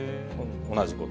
同じこと。